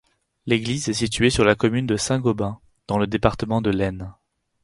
L'église est située sur la commune de Saint-Gobain, dans le département de l'Aisne.